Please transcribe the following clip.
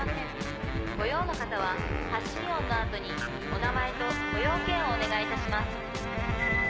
「ご用の方は発信音のあとにお名前とご用件をお願い致します」